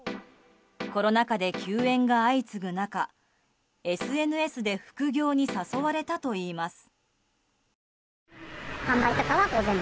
コロナ禍で休演が相次ぐ中ＳＮＳで副業に誘われたといいます。